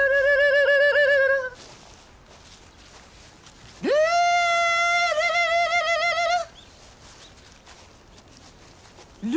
ルールル。